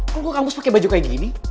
kok gue kampus pakai baju kayak gini